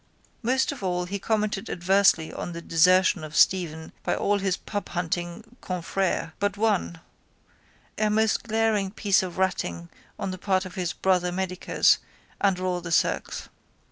Most of all he commented adversely on the desertion of Stephen by all his pubhunting confrères but one, a most glaring piece of ratting on the part of his brother medicos under all the circs.